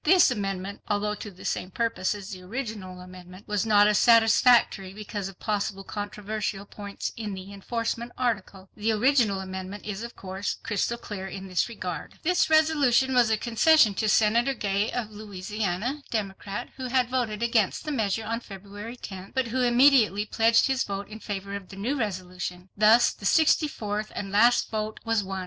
This amendment, although to the same purpose as the original amendment, was not as satisfactory because of possible controversial points in the enforcement article. The original amendment is of course crystal clear in this regard. This resolution was a concession to Senator Gay of Louisiana, Democrat, who had voted against the measure on February 10th, but who immediately pledged his vote in favor of the new resolution. Thus the sixty fourth and last vote was won.